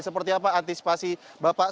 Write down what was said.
seperti apa antisipasi bapak